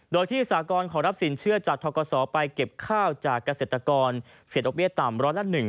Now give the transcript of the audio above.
โดยที่สากรขอรับสินเชื่อจากทกศไปเก็บข้าวจากเกษตรกรเสียดอกเบี้ต่ำร้อยละ๑